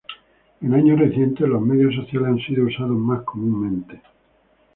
En años recientes los medios sociales han sido usados más comúnmente.